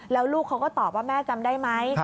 แล้วลูกเขาก็ตอบว่าแม่จำได้ไหม